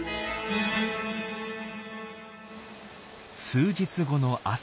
数日後の朝。